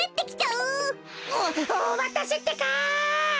おおまたせってか！